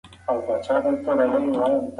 دغه ویبپاڼه په ډېر مهارت سره ډیزاین شوې ده.